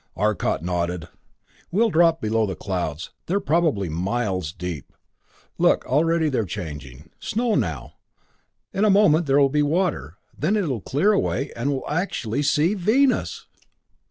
Arcot nodded. "We'll drop below the clouds; they're probably miles deep. Look, already they're changing snow now in a moment it will be water then it'll clear away and we'll actually see Venus!"